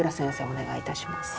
お願いいたします。